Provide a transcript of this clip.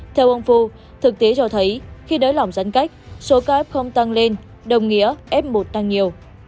theo ông phu thực tế cho thấy khi nới lỏng giãn cách số ca f không tăng lên đồng nghĩa f một tăng nhiều